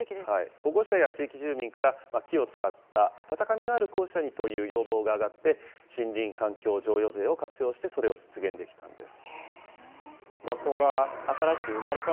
保護者や地域住民から、木を使った温かみのある校舎にという要望が上がって、森林環境譲与税を活用して、それを実現できたんです。